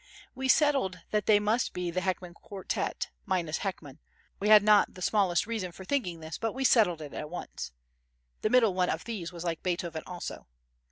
We settled that they must be the Heckmann Quartet, minus Heckmann: we had not the smallest reason for thinking this but we settled it at once. The middle one of these was like Beethoven also.